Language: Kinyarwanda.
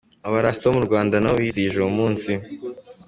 Abarasta bo mu Rwanda nabo bizihije uwo munsi.